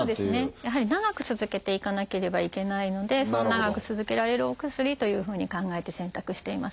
やはり長く続けていかなければいけないので長く続けられるお薬というふうに考えて選択しています。